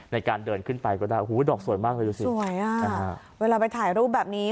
ในการเดินขึ้นไปก็ได้โอ้โหดอกสวยมากเลยดูสิสวยอ่ะนะฮะเวลาไปถ่ายรูปแบบนี้